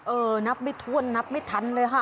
นับไม่ถ้วนนับไม่ทันเลยค่ะ